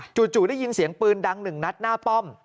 จู่ได้ยินเสียงปืนดังหนึ่งนัดหน้าป้อม